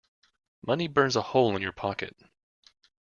Money burns a hole in your pocket.